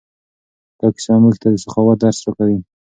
دا کیسه موږ ته د سخاوت درس راکوي.